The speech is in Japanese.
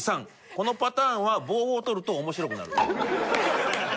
このパターンは棒を取ると面白くなる。